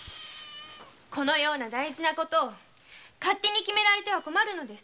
このような大事なことを勝手に決められては困るのです。